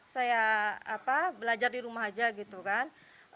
saya belajar di rumah aja gitu kan